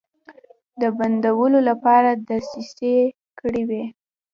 د بندولو لپاره دسیسې کړې وې.